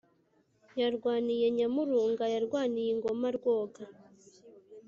Yarwaniye Nyamurunga:Yarwaniye ingoma Rwoga.